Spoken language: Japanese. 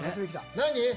何？